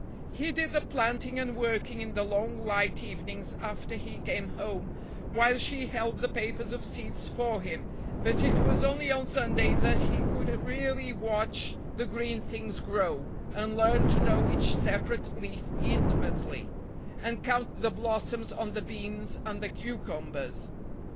He did the planting and working in the long light evenings after he came home, while she held the papers of seeds for him, but it was only on Sunday that he could really watch the green things grow, and learn to know each separate leaf intimately, and count the blossoms on the beans and the cucumbers.